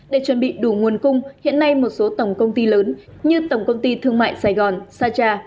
để chuẩn bị đủ nguồn cung hiện nay một số tổng công ty lớn như tổng công ty thương mại sài gòn sacha